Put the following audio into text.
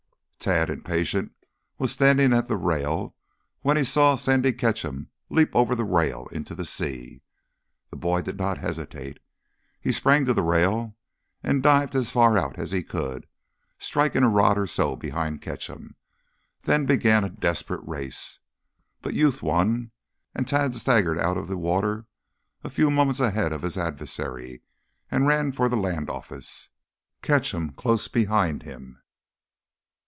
Tad, impatient, was standing at the rail when he saw Sandy Ketcham leap over the rail into the sea. The boy did not hesitate. He sprang to the rail and dived as far out as he could, striking a rod or so behind Ketcham. Then began a desperate race. But youth won, and Tad staggered out of the water a few moments ahead of his adversary and ran for the land office, Ketcham close behind him.